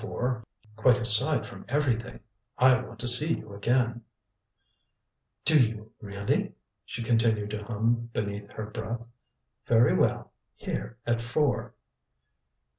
Quite aside from my errand quite aside from everything I want to see you again." "Do you really?" She continued to hum beneath her breath. "Very well here at four."